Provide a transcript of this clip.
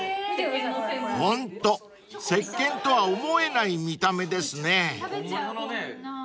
［ホントせっけんとは思えない見た目ですね］